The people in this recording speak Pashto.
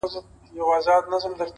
او دده اوښكي لا په شړپ بهيدې;